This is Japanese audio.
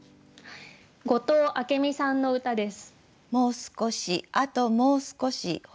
後藤明美さんの歌です。